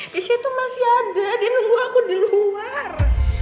disitu masih ada dia nunggu aku di luar